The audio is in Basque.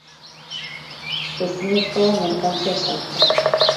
Ezinezkoa da merkantzia saltzea.